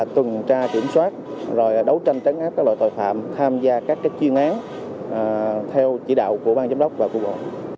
tường tra kiểm soát đấu tranh tránh áp các loại tội phạm tham gia các chuyên án theo chỉ đạo của ban giám đốc và cụ bộ